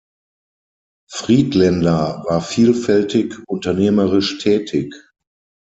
Friedländer war vielfältig unternehmerisch tätig.